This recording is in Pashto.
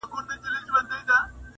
• دا غزل مي رندانه او صوفیانه دی..